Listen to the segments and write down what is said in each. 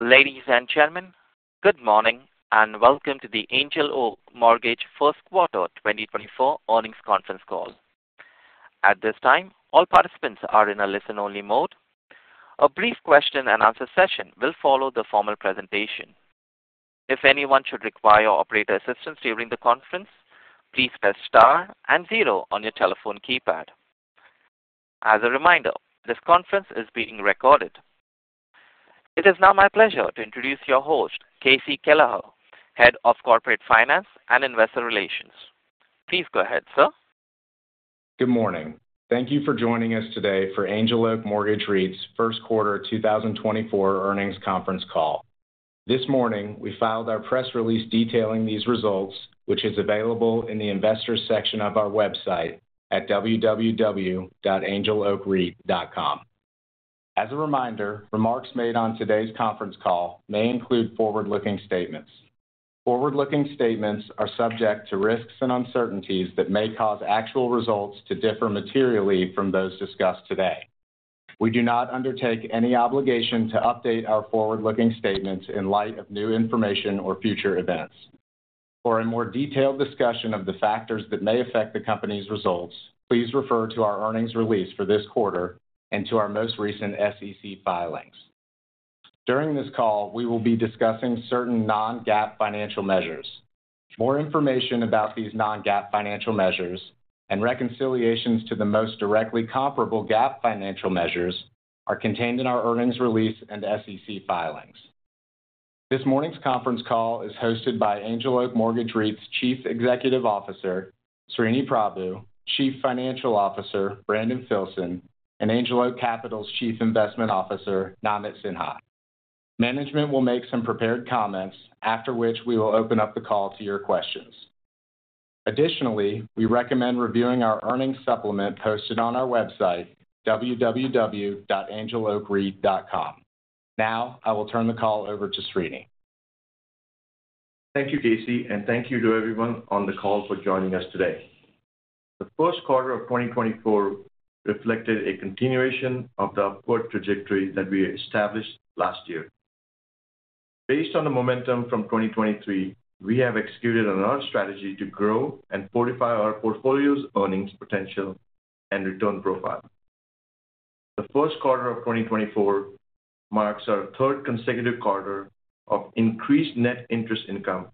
Ladies and gentlemen, good morning, and welcome to the Angel Oak Mortgage First Quarter 2024 Earnings Conference Call. At this time, all participants are in a listen-only mode. A brief question and answer session will follow the formal presentation. If anyone should require operator assistance during the conference, please press star and zero on your telephone keypad. As a reminder, this conference is being recorded. It is now my pleasure to introduce your host, Casey Kelleher, Head of Corporate Finance and Investor Relations. Please go ahead, sir. Good morning. Thank you for joining us today for Angel Oak Mortgage REIT's first quarter 2024 earnings conference call. This morning, we filed our press release detailing these results, which is available in the investors section of our website at www.angeloakreit.com. As a reminder, remarks made on today's conference call may include forward-looking statements. Forward-looking statements are subject to risks and uncertainties that may cause actual results to differ materially from those discussed today. We do not undertake any obligation to update our forward-looking statements in light of new information or future events. For a more detailed discussion of the factors that may affect the company's results, please refer to our earnings release for this quarter and to our most recent SEC filings. During this call, we will be discussing certain non-GAAP financial measures. More information about these non-GAAP financial measures and reconciliations to the most directly comparable GAAP financial measures are contained in our earnings release and SEC filings. This morning's conference call is hosted by Angel Oak Mortgage REIT's Chief Executive Officer, Sreeni Prabhu, Chief Financial Officer, Brandon Filson, and Angel Oak Capital's Chief Investment Officer, Namit Sinha. Management will make some prepared comments, after which we will open up the call to your questions. Additionally, we recommend reviewing our earnings supplement posted on our website, www.angeloakreit.com. Now, I will turn the call over to Sreeni. Thank you, Casey, and thank you to everyone on the call for joining us today. The first quarter of 2024 reflected a continuation of the upward trajectory that we established last year. Based on the momentum from 2023, we have executed on our strategy to grow and fortify our portfolio's earnings potential and return profile. The first quarter of 2024 marks our third consecutive quarter of increased net interest income,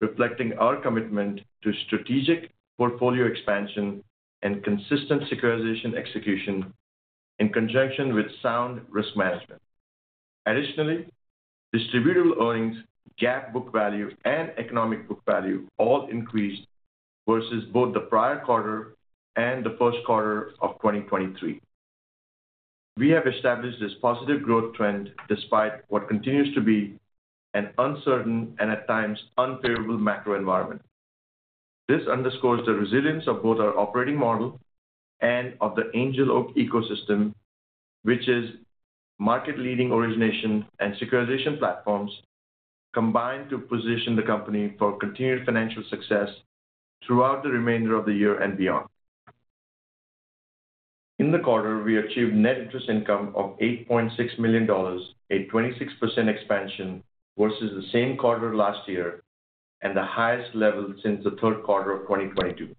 reflecting our commitment to strategic portfolio expansion and consistent securitization execution in conjunction with sound risk management. Additionally, distributable earnings, GAAP book value, and economic book value all increased versus both the prior quarter and the first quarter of 2023. We have established this positive growth trend despite what continues to be an uncertain and at times unfavorable macro environment. This underscores the resilience of both our operating model and of the Angel Oak ecosystem, which is market-leading origination and securitization platforms combined to position the company for continued financial success throughout the remainder of the year and beyond. In the quarter, we achieved net interest income of $8.6 million, a 26% expansion versus the same quarter last year and the highest level since the third quarter of 2022.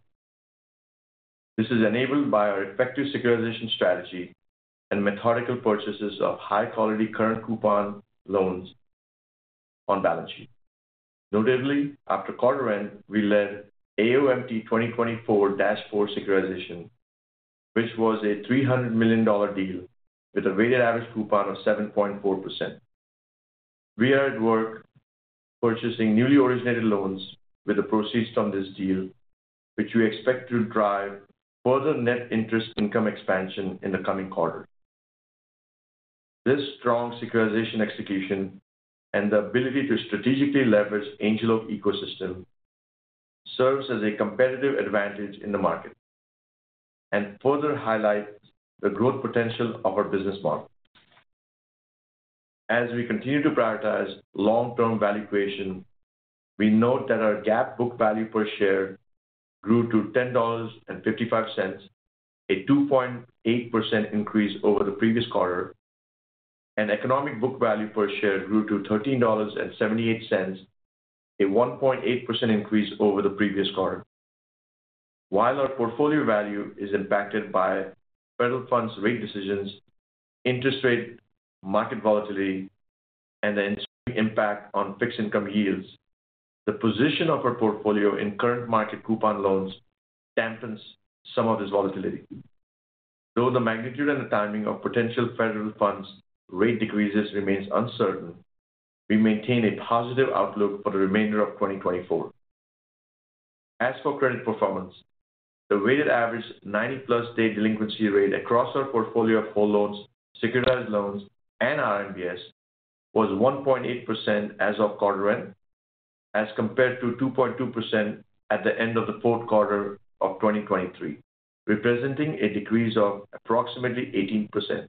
This is enabled by our effective securitization strategy and methodical purchases of high-quality current coupon loans on balance sheet. Notably, after quarter end, we led AOMT 2024-4 securitization, which was a $300 million deal with a weighted average coupon of 7.4%. We are at work purchasing newly originated loans with the proceeds from this deal, which we expect to drive further net interest income expansion in the coming quarter. This strong securitization execution and the ability to strategically leverage Angel Oak ecosystem serves as a competitive advantage in the market and further highlights the growth potential of our business model. As we continue to prioritize long-term value creation, we note that our GAAP book value per share grew to $10.55, a 2.8% increase over the previous quarter, and economic book value per share grew to $13.78, a 1.8% increase over the previous quarter. While our portfolio value is impacted by federal funds rate decisions, interest rate, market volatility, and the ensuing impact on fixed income yields, the position of our portfolio in current market coupon loans dampens some of this volatility. Though the magnitude and the timing of potential federal funds rate decreases remains uncertain, we maintain a positive outlook for the remainder of 2024. As for credit performance, the weighted average ninety-plus day delinquency rate across our portfolio of whole loans, securitized loans, and RMBS was 1.8% as of quarter end, as compared to 2.2% at the end of the fourth quarter of 2023, representing a decrease of approximately 18%.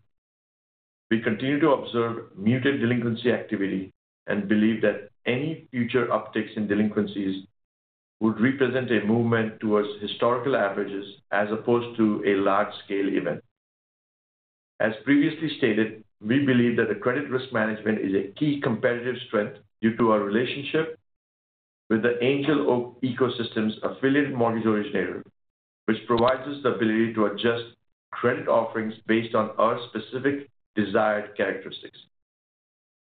We continue to observe muted delinquency activity and believe that any future upticks in delinquencies would represent a movement towards historical averages as opposed to a large-scale event. As previously stated, we believe that the credit risk management is a key competitive strength due to our relationship with the Angel Oak ecosystem's affiliate mortgage originator, which provides us the ability to adjust credit offerings based on our specific desired characteristics.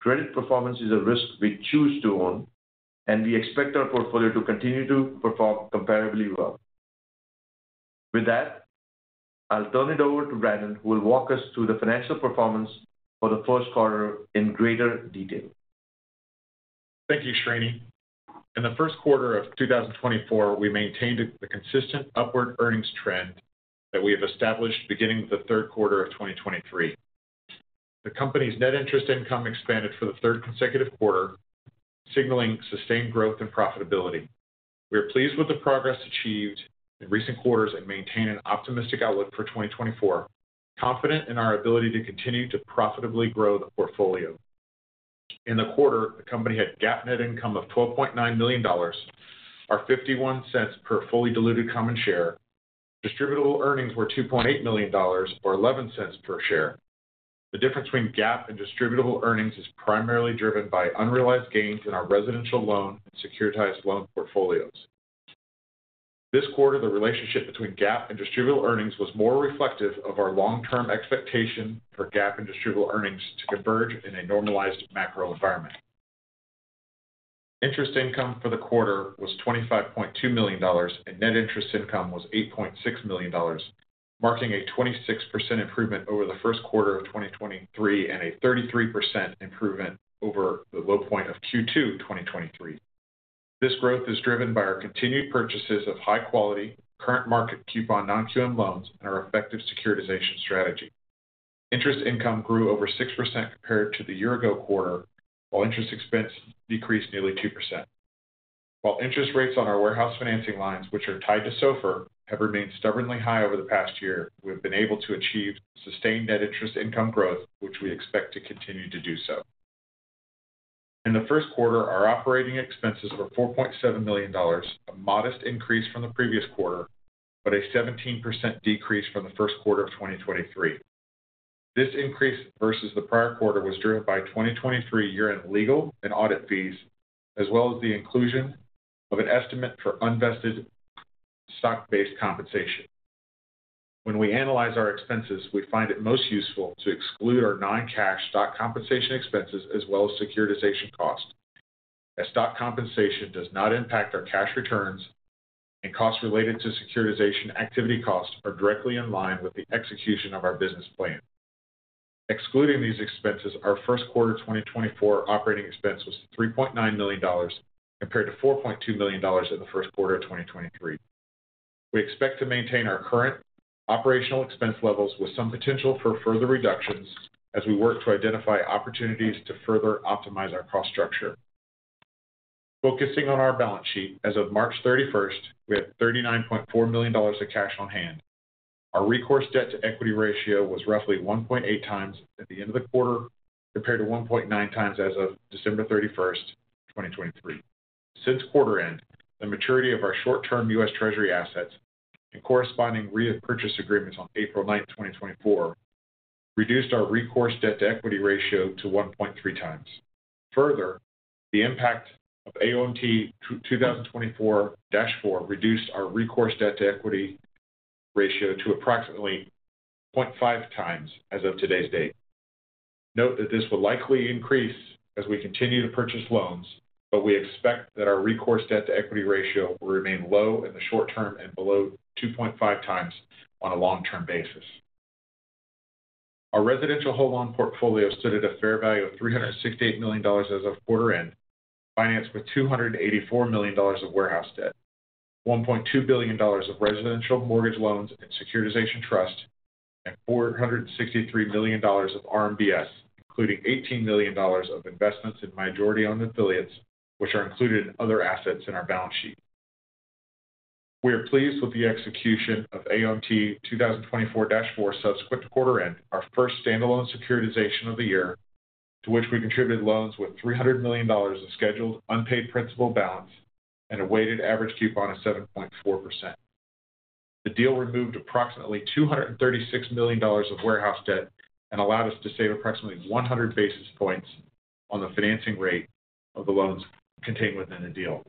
Credit performance is a risk we choose to own, and we expect our portfolio to continue to perform comparably well. With that, I'll turn it over to Brandon, who will walk us through the financial performance for the first quarter in greater detail. Thank you, Sreeni. In the first quarter of 2024, we maintained a consistent upward earnings trend that we have established beginning the third quarter of 2023. The company's net interest income expanded for the third consecutive quarter, signaling sustained growth and profitability. We are pleased with the progress achieved in recent quarters and maintain an optimistic outlook for 2024, confident in our ability to continue to profitably grow the portfolio. In the quarter, the company had GAAP net income of $12.9 million, or $0.51 per fully diluted common share. distributable earnings were $2.8 million, or $0.11 per share. The difference between GAAP and distributable earnings is primarily driven by unrealized gains in our residential loan and securitized loan portfolios. This quarter, the relationship between GAAP and distributable earnings was more reflective of our long-term expectation for GAAP and distributable earnings to converge in a normalized macro environment. Interest income for the quarter was $25.2 million, and net interest income was $8.6 million, marking a 26% improvement over the first quarter of 2023 and a 33% improvement over the low point of Q2 2023. This growth is driven by our continued purchases of high-quality, current market coupon non-QM loans and our effective securitization strategy. Interest income grew over 6% compared to the year ago quarter, while interest expense decreased nearly 2%. While interest rates on our warehouse financing lines, which are tied to SOFR, have remained stubbornly high over the past year, we've been able to achieve sustained net interest income growth, which we expect to continue to do so. In the first quarter, our operating expenses were $4.7 million, a modest increase from the previous quarter, but a 17% decrease from the first quarter of 2023. This increase versus the prior quarter was driven by 2023 year-end legal and audit fees, as well as the inclusion of an estimate for unvested stock-based compensation. When we analyze our expenses, we find it most useful to exclude our non-cash stock compensation expenses as well as securitization costs, as stock compensation does not impact our cash returns, and costs related to securitization activity costs are directly in line with the execution of our business plan. Excluding these expenses, our first quarter 2024 operating expense was $3.9 million, compared to $4.2 million in the first quarter of 2023. We expect to maintain our current operational expense levels with some potential for further reductions as we work to identify opportunities to further optimize our cost structure. Focusing on our balance sheet, as of March 31, we had $39.4 million of cash on hand. Our recourse debt-to-equity ratio was roughly 1.8 times at the end of the quarter, compared to 1.9 times as of December 31, 2023. Since quarter end, the maturity of our short-term US Treasury assets and corresponding repurchase agreements on April 9, 2024, reduced our recourse debt-to-equity ratio to 1.3 times. Further, the impact of AOMT 2024-4 reduced our recourse debt-to-equity ratio to approximately 0.5 times as of today's date. Note that this will likely increase as we continue to purchase loans, but we expect that our recourse debt-to-equity ratio will remain low in the short term and below 2.5 times on a long-term basis. Our residential whole loan portfolio stood at a fair value of $368 million as of quarter end, financed with $284 million of warehouse debt, $1.2 billion of residential mortgage loans and securitization trust, and $463 million of RMBS, including $18 million of investments in majority-owned affiliates, which are included in other assets in our balance sheet. We are pleased with the execution of AOMT 2024-4, subsequent to quarter end, our first standalone securitization of the year, to which we contributed loans with $300 million of scheduled unpaid principal balance and a weighted average coupon of 7.4%. The deal removed approximately $236 million of warehouse debt and allowed us to save approximately 100 basis points on the financing rate of the loans contained within the deal.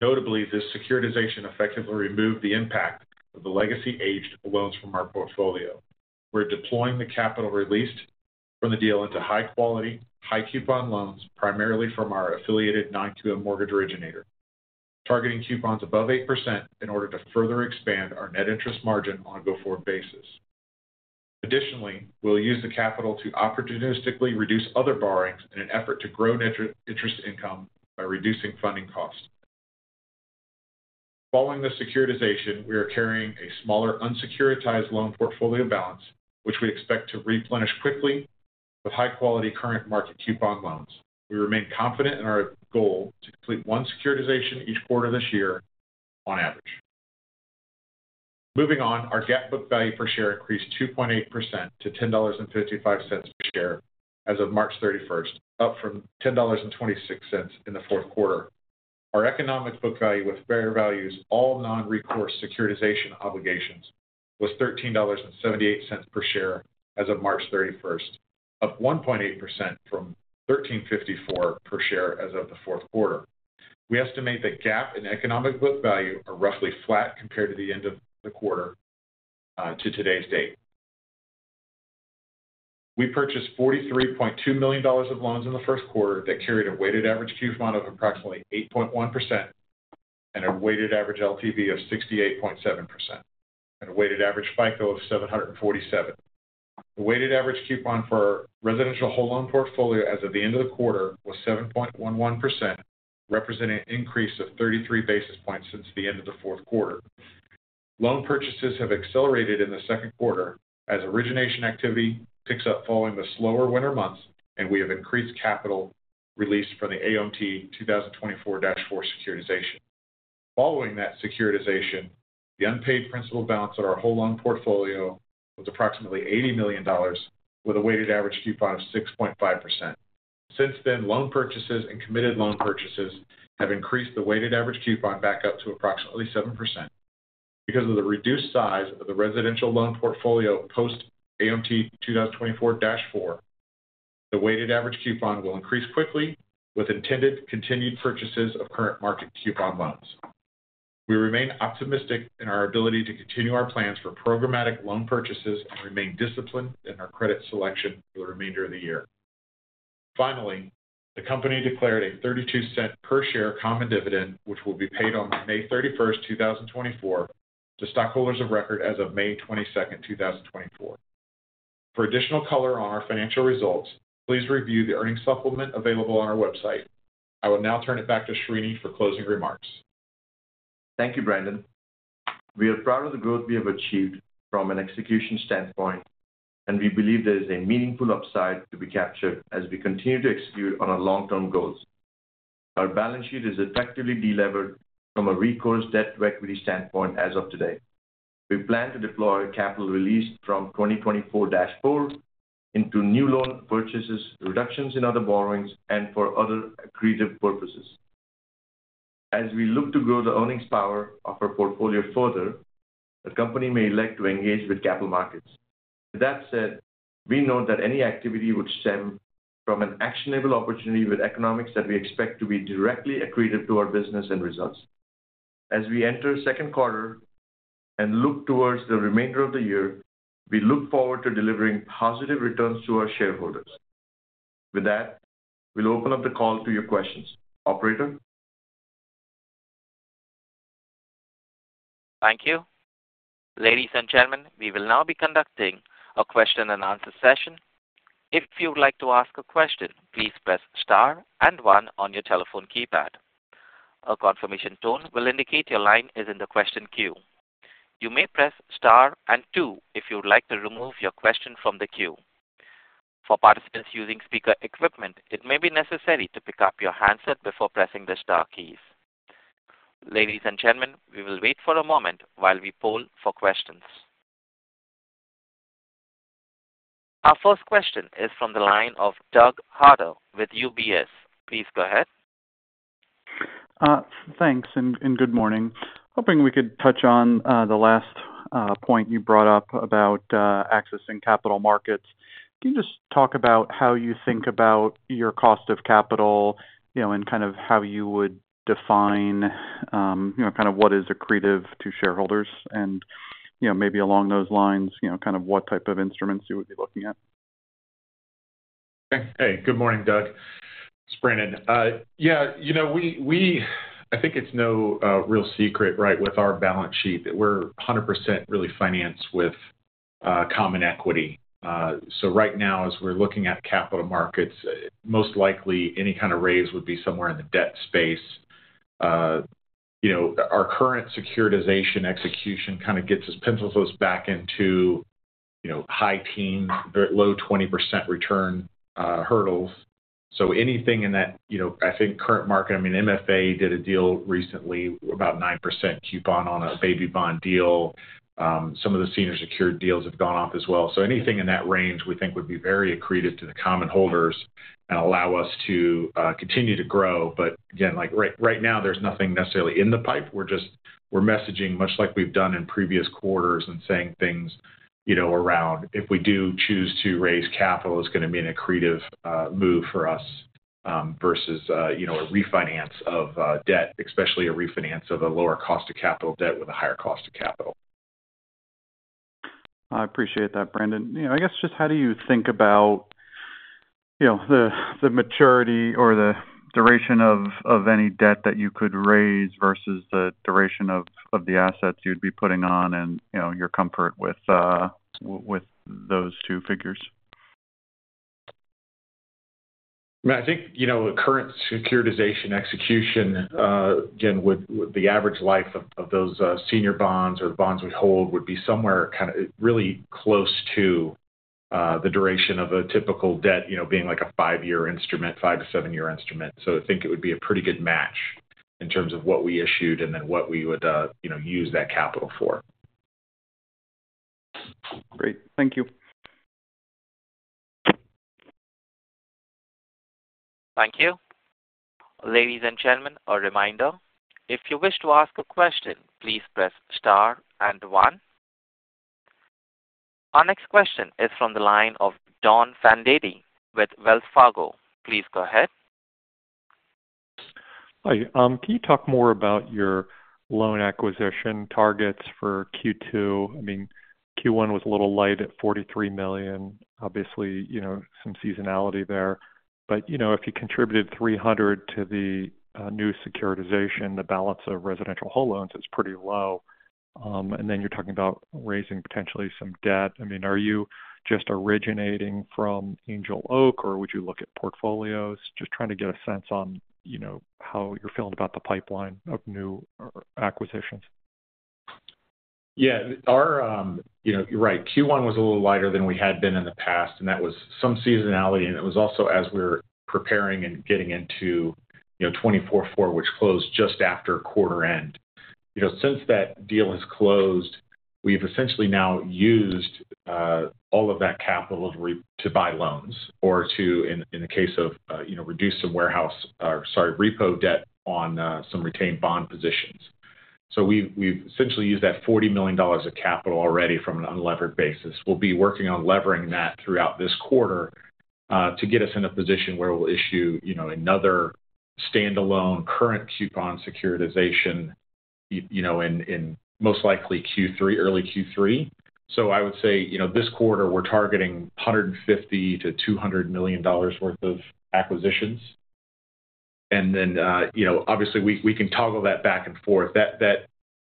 Notably, this securitization effectively removed the impact of the legacy aged loans from our portfolio. We're deploying the capital released from the deal into high quality, high coupon loans, primarily from our affiliated non-QM mortgage originator, targeting coupons above 8% in order to further expand our net interest margin on a go-forward basis. Additionally, we'll use the capital to opportunistically reduce other borrowings in an effort to grow net interest income by reducing funding costs. Following the securitization, we are carrying a smaller unsecuritized loan portfolio balance, which we expect to replenish quickly with high-quality current market coupon loans. We remain confident in our goal to complete one securitization each quarter this year on average. Moving on, our GAAP book value per share increased 2.8% to $10.55 per share as of March thirty-first, up from $10.26 in the fourth quarter. Our economic book value with fair values, all non-recourse securitization obligations, was $13.78 per share as of March thirty-first, up 1.8% from $13.54 per share as of the fourth quarter. We estimate that GAAP and economic book value are roughly flat compared to the end of the quarter, to today's date. We purchased $43.2 million of loans in the first quarter that carried a weighted average coupon of approximately 8.1% and a weighted average LTV of 68.7%, and a weighted average FICO of 747. The weighted average coupon for residential whole loan portfolio as of the end of the quarter was 7.11%, representing an increase of 33 basis points since the end of the fourth quarter. Loan purchases have accelerated in the second quarter as origination activity picks up following the slower winter months, and we have increased capital released from the AOMT 2024-4 securitization. Following that securitization, the unpaid principal balance on our whole loan portfolio was approximately $80 million, with a weighted average coupon of 6.5%. Since then, loan purchases and committed loan purchases have increased the weighted average coupon back up to approximately 7%. Because of the reduced size of the residential loan portfolio post AOMT 2024-4, the weighted average coupon will increase quickly with intended continued purchases of current market coupon loans. We remain optimistic in our ability to continue our plans for programmatic loan purchases and remain disciplined in our credit selection for the remainder of the year. Finally, the company declared a $0.32 per share common dividend, which will be paid on May 31, 2024, to stockholders of record as of May 22, 2024. For additional color on our financial results, please review the earnings supplement available on our website. I will now turn it back to Sreeni for closing remarks. Thank you, Brandon. We are proud of the growth we have achieved from an execution standpoint, and we believe there is a meaningful upside to be captured as we continue to execute on our long-term goals. Our balance sheet is effectively delevered from a recourse debt to equity standpoint as of today. We plan to deploy capital released from 2024-4 into new loan purchases, reductions in other borrowings, and for other accretive purposes. As we look to grow the earnings power of our portfolio further, the company may elect to engage with capital markets. With that said, we know that any activity would stem from an actionable opportunity with economics that we expect to be directly accretive to our business and results. As we enter second quarter and look towards the remainder of the year, we look forward to delivering positive returns to our shareholders. With that, we'll open up the call to your questions. Operator? Thank you. Ladies and gentlemen, we will now be conducting a question-and-answer session. If you would like to ask a question, please press star and one on your telephone keypad. A confirmation tone will indicate your line is in the question queue. You may press star and two if you would like to remove your question from the queue. For participants using speaker equipment, it may be necessary to pick up your handset before pressing the star keys. Ladies and gentlemen, we will wait for a moment while we poll for questions. Our first question is from the line of Douglas Harter with UBS. Please go ahead. Thanks, and good morning. Hoping we could touch on the last point you brought up about accessing capital markets. Can you just talk about how you think about your cost of capital, you know, and kind of how you would define, you know, kind of what is accretive to shareholders? You know, maybe along those lines, you know, kind of what type of instruments you would be looking at. Hey. Good morning, Doug. It's Brandon. Yeah, you know, we, I think it's no real secret, right, with our balance sheet, that we're 100% really financed with common equity. So right now, as we're looking at capital markets, most likely, any kind of raise would be somewhere in the debt space. You know, our current securitization execution kind of gets us pencils us back into, you know, high-teen, low-20% return hurdles. So anything in that, you know, I think current market, I mean, MFA did a deal recently, about 9% coupon on a baby bond deal. Some of the senior secured deals have gone off as well. So anything in that range, we think would be very accretive to the common holders and allow us to continue to grow. But again, like, right now, there's nothing necessarily in the pipe. We're just messaging, much like we've done in previous quarters, and saying things, you know, around if we do choose to raise capital, it's gonna be an accretive move for us versus, you know, a refinance of debt, especially a refinance of a lower cost of capital debt with a higher cost of capital. I appreciate that, Brandon. You know, I guess just how do you think about, you know, the maturity or the duration of any debt that you could raise versus the duration of the assets you'd be putting on and, you know, your comfort with those two figures? I think, you know, the current securitization execution, again, with the average life of those senior bonds or bonds we hold, would be somewhere kind of really close to the duration of a typical debt, you know, being like a 5-year instrument, 5- to 7-year instrument. So I think it would be a pretty good match in terms of what we issued and then what we would, you know, use that capital for. Great. Thank you. Thank you. Ladies and gentlemen, a reminder. If you wish to ask a question, please press star and one. Our next question is from the line of Don Fandetti with Wells Fargo. Please go ahead. Hi. Can you talk more about your loan acquisition targets for Q2? I mean, Q1 was a little light at $43 million. Obviously, you know, some seasonality there, but, you know, if you contributed $300 million to the new securitization, the balance of residential home loans is pretty low. And then you're talking about raising potentially some debt. I mean, are you just originating from Angel Oak, or would you look at portfolios? Just trying to get a sense on, you know, how you're feeling about the pipeline of new acquisitions. Yeah, our, you know, you're right. Q1 was a little lighter than we had been in the past, and that was some seasonality, and it was also as we were preparing and getting into, you know, 2024-4, which closed just after quarter end. You know, since that deal has closed, we've essentially now used all of that capital to re-- to buy loans or to, in the case of, you know, reduce some warehouse, or sorry, repo debt on some retained bond positions. So we've essentially used that $40 million of capital already from an unlevered basis. We'll be working on levering that throughout this quarter to get us in a position where we'll issue, you know, another standalone current coupon securitization, you know, in most likely Q3, early Q3. So I would say, you know, this quarter we're targeting $150 million to $200 million worth of acquisitions. And then, you know, obviously we can toggle that back and forth. That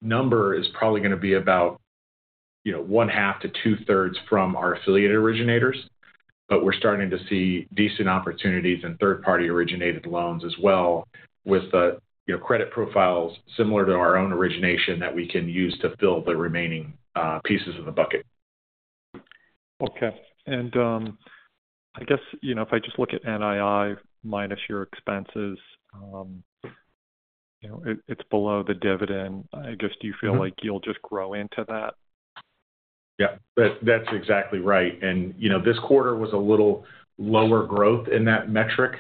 number is probably gonna be about, you know, one half to two-thirds from our affiliated originators, but we're starting to see decent opportunities in third-party originated loans as well, with the, you know, credit profiles similar to our own origination that we can use to fill the remaining pieces of the bucket. Okay. I guess, you know, if I just look at NII minus your expenses, you know, it, it's below the dividend. I guess, do you feel like you'll just grow into that? Yeah. That's, that's exactly right. And, you know, this quarter was a little lower growth in that metric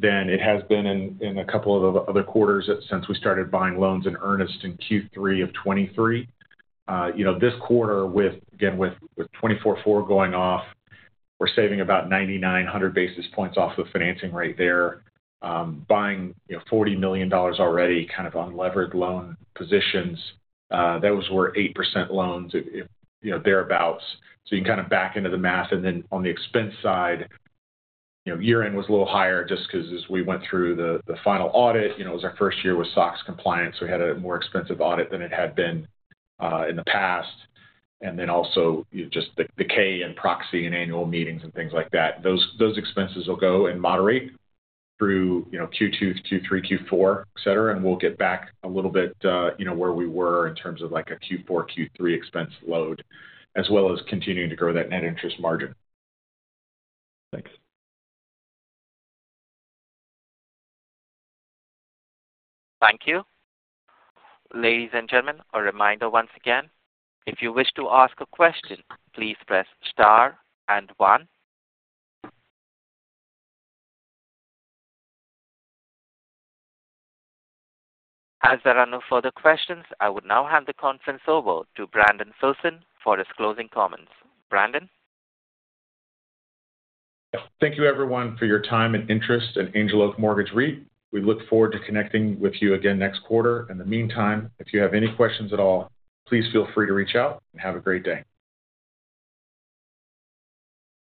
than it has been in a couple of other quarters since we started buying loans in earnest in Q3 of 2023. You know, this quarter with 2024-4 going off, we're saving about 99-100 basis points off the financing rate there. Buying, you know, $40 million already, kind of unlevered loan positions, those were 8% loans, you know, thereabout. So you can kind of back into the math, and then on the expense side, you know, year-end was a little higher just because as we went through the final audit, you know, it was our first year with SOX compliance, so we had a more expensive audit than it had been in the past. And then also, just the K and proxy and annual meetings and things like that. Those expenses will go and moderate through, you know, Q2, Q3, Q4, et cetera, and we'll get back a little bit, you know, where we were in terms of like a Q4, Q3 expense load, as well as continuing to grow that net interest margin. Thanks. Thank you. Ladies and gentlemen, a reminder once again. If you wish to ask a question, please press star and one. As there are no further questions, I would now hand the conference over to Brandon Filson for his closing comments. Brandon? Thank you, everyone, for your time and interest in Angel Oak Mortgage REIT. We look forward to connecting with you again next quarter. In the meantime, if you have any questions at all, please feel free to reach out, and have a great day.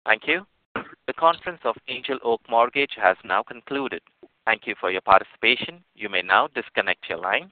Thank you. The conference of Angel Oak Mortgage has now concluded. Thank you for your participation. You may now disconnect your lines.